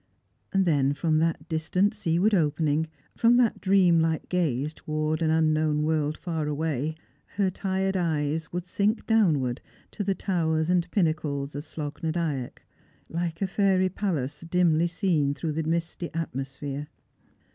Then from that distant seaward opening, from that dream like gaze towards an unknown world far away, her tired eyes would sink downward to the towers and pinnacles of Slogh na Dyack, like a fair/ palace dimly seen through the misty atmosphere.